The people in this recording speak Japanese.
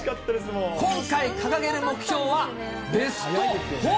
今回掲げる目標は、ベスト４。